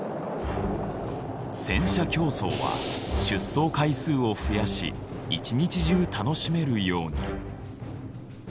戦車競走は出走回数を増やし一日中楽しめるように。